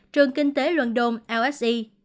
trường kinh tế london lse